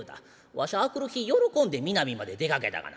わしゃ明くる日喜んでミナミまで出かけたがな。